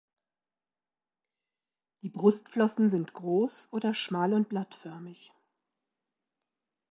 Die Brustflossen sind groß oder schmal und blattförmig.